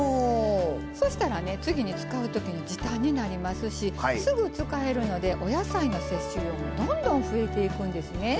そしたらね次に使う時に時短になりますしすぐ使えるのでお野菜の摂取量もどんどん増えていくんですね。